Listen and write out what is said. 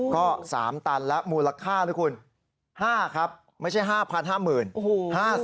ก็สามตันแล้วมูลค่าละคุณ๕ครับไม่ใช่๕๐๐๐บาท๕๐๐๐๕๐๐บาท